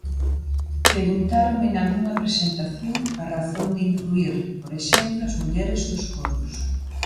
Preguntáronme nalgunha presentación a razón de incluír, por exemplo, as mulleres dos coros.